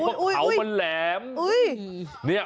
เพราะเขามันแหลม